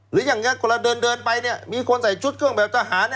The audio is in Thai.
ลุยังงี้กว่าเราเดินไปมีคนส่ายชุดเครื่องแบบทหาร